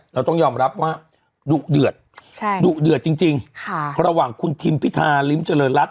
เราต้องยอมรับว่าดุเดือดดุเดือดจริงระหว่างคุณทิมพิธาริมเจริญรัฐ